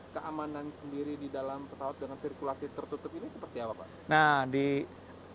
keamanan sendiri di dalam pesawat dengan sirkulasi tertutup ini seperti apa pak